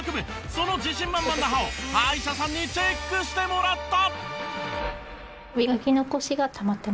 その自信満々な歯を歯医者さんにチェックしてもらった。